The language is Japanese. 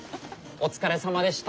お疲れさまでした。